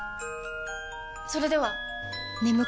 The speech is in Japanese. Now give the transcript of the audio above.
それでは！